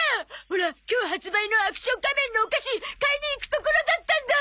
オラ今日発売の『アクション仮面』のお菓子買いに行くところだったんだ！